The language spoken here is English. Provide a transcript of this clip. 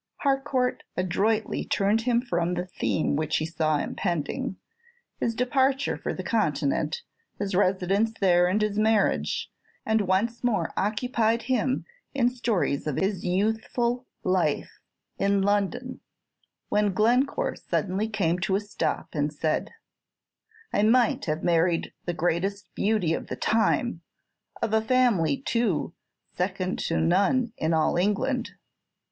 Harcourt adroitly turned him from the theme which he saw impending, his departure for the Continent, his residence there, and his marriage, and once more occupied him in stories of his youthful life in London, when Glencore suddenly came to a stop, and said, "I might have married the greatest beauty of the time, of a family, too, second to none in all England.